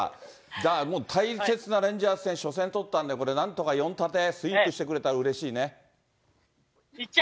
じゃあ、もう大切なレンジャーズ戦、初戦取ったんで、これなんとか４タテ、してくれたらうれしいね。